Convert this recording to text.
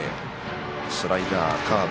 スライダー、カーブ